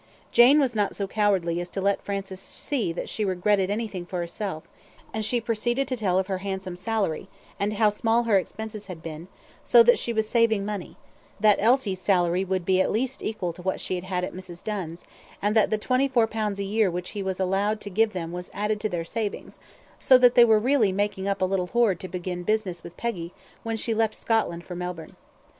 Jane was not so cowardly as to let Francis see that she regretted anything for herself, and she proceeded to tell of her handsome salary, and how small her expenses had been, so that she was saving money; that Alice's salary would be equal at least to what she had at Mrs. Dunn's; and that the twenty four pounds a year which he was allowed to give them was added to their savings; so that they were really making up a little hoard to begin business with Peggy when she left Scotland for Melbourne.